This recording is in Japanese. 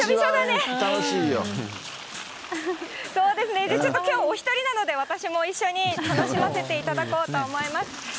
そうですね、ちょっときょう、お１人なので、私も一緒に楽しませていただこうと思います。